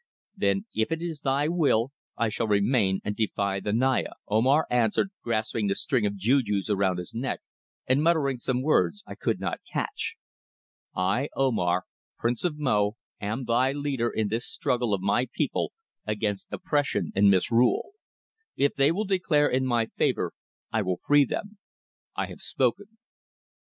"Then if it is thy will I shall remain and defy the Naya," Omar answered, grasping the string of jujus around his neck and muttering some words I could not catch. "I, Omar, Prince of Mo, am thy leader in this struggle of my people against oppression and misrule. If they will declare in my favour I will free them. I have spoken."